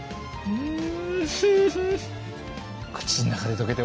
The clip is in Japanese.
うん！